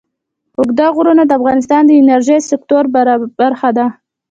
اوږده غرونه د افغانستان د انرژۍ سکتور برخه ده.